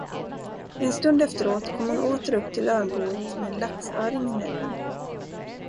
En stund efteråt kom hon åter upp till örnboet med en laxöring i näbben.